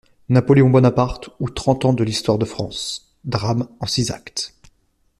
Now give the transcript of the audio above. =Napoléon Bonaparte, ou trente ans de l'histoire de France.= Drame en six actes.